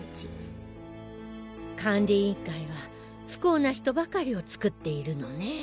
管理委員会は不幸な人ばかりを作っているのね。